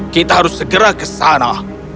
kita harus segera ke sana